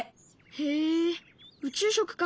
へえ宇宙食か。